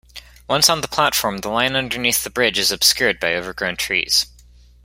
Once on the platform, the line underneath the bridge is obscured by overgrown trees.